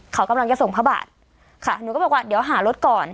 เขากำลังจะส่งพระบาทค่ะหนูก็บอกว่าเดี๋ยวหารถก่อน